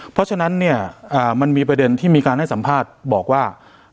เพราะฉะนั้นเนี่ยมันมีประเด็นที่มีการให้สัมภาษณ์บอกว่า